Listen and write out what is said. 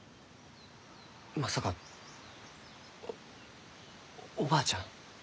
まさかおおばあちゃん？